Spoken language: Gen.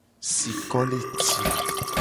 Siko le tim.